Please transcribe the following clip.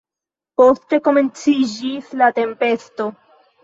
Poste komenciĝis la tempesto.